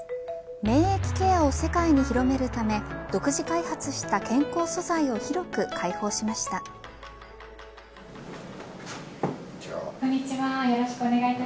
免疫ケアを世界に広めるため独自開発した健康素材を広く開放しました。